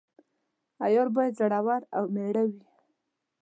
عیار باید زړه ور او میړه وي.